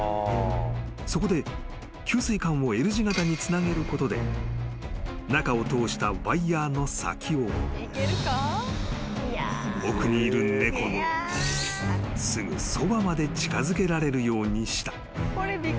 ［そこで給水管をＬ字形につなげることで中を通したワイヤの先を奥にいる猫のすぐそばまで近づけられるようにした］